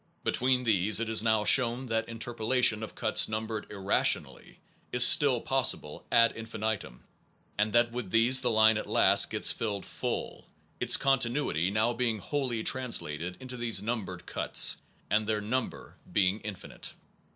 Between these it is now shown that interpolation of cuts numbered irrationally is still possible ad infinitum, and that with these the line at last gets filled full, its continuity now being wholly translated into these numbered cuts, and their number being infinite.